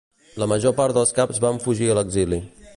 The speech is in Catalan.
La major part dels caps van fugir a l'exili.